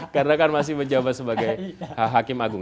karena kan masih menjawab sebagai hakim agung